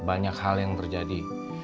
banyak hal yang terjadi